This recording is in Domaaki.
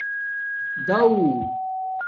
داݸ